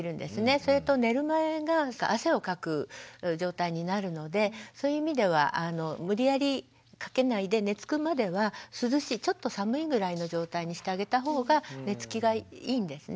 それと寝る前が汗をかく状態になるのでそういう意味では無理やり掛けないで寝つくまではちょっと寒いぐらいの状態にしてあげた方が寝つきがいいんですね。